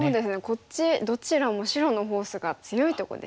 こっちどちらも白のフォースが強いとこでしたしね。